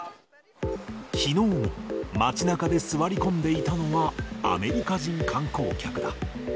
きのう、街なかで座り込んでいたのは、アメリカ人観光客だ。